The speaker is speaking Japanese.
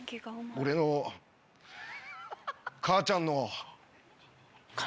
俺の母ちゃんの。